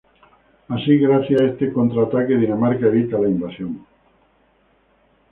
Así, gracias a este contra-ataque, Dinamarca evita la invasión.